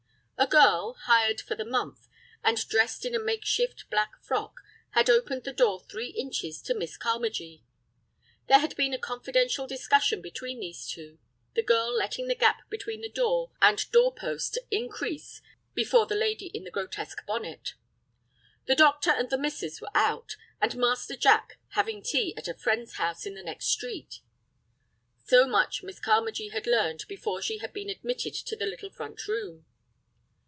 A girl, hired for the month, and dressed in a makeshift black frock, had opened the door three inches to Miss Carmagee. There had been a confidential discussion between these two, the girl letting the gap between door and door post increase before the lady in the grotesque bonnet. The doctor and the "missus" were out, and Master Jack having tea at a friend's house in the next street. So much Miss Carmagee had learned before she had been admitted to the little front room.